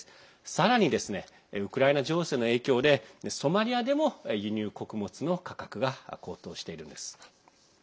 さらに、ウクライナ情勢の影響でソマリアでも輸入穀物の価格が高騰しているんです。